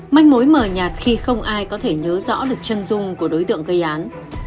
manh mối mờ nhạt khi không ai có thể nhớ rõ được chân dung của đối tượng gây án